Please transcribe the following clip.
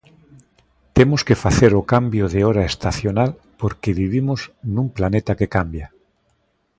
Temos que facer o cambio de hora estacional porque vivimos nun planeta que cambia.